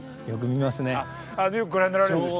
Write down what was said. よくご覧になられるんですね。